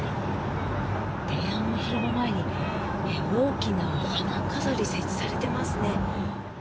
天安門広場前に大きな花飾り、設置されてますね。